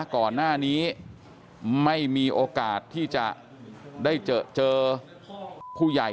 ก่อนหน้านี้ไม่มีโอกาสที่จะได้เจอผู้ใหญ่